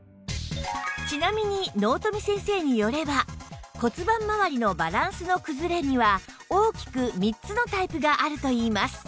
ちなみに納富先生によれば骨盤まわりのバランスの崩れには大きく３つのタイプがあるといいます